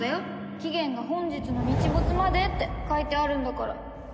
期限が「本日の日没まで」って書いてあるんだから。